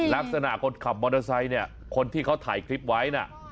ลักษณะคนขับมอเตอร์ไซค์เนี่ยคนที่เขาถ่ายคลิปไว้นะ